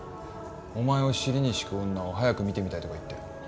お前を尻に敷く女を早く見てみたいとか言って。